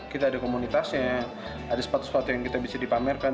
kita ada komunitasnya ada sepatu sepatu yang kita bisa dipamerkan